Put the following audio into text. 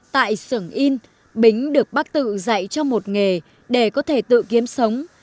tại sửng yên bính được bác tự dạy cho một nghề để có thể tự kiếm sống